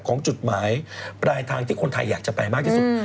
จุดหมายปลายทางที่คนไทยอยากจะไปมากที่สุด